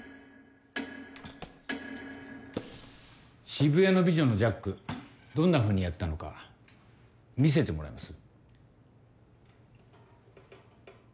渋谷のビジョンのジャックどんなふうにやったのか見せてもらえます？